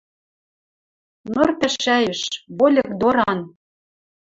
Ныр пӓшӓэш, вольык доран